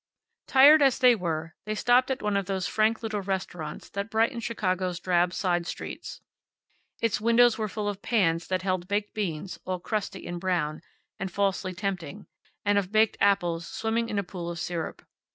Tired as they were, they stopped at one of those frank little restaurants that brighten Chicago's drab side streets. Its windows were full of pans that held baked beans, all crusty and brown, and falsely tempting, and of baked apples swimming in a pool of syrup.